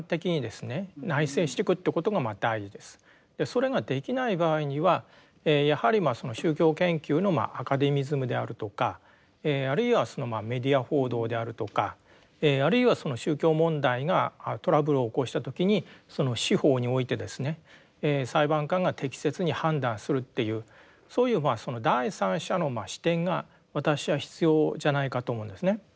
それができない場合にはやはりその宗教研究のアカデミズムであるとかあるいはメディア報道であるとかあるいはその宗教問題がトラブルを起こした時にその司法においてですね裁判官が適切に判断するっていうそういう第三者の視点が私は必要じゃないかと思うんですね。